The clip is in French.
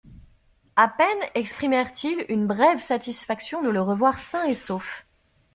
A peine exprimèrent-ils une brève satisfaction de le revoir sain et sauf.